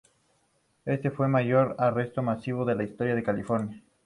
Este fue el mayor arresto masivo en la historia de California.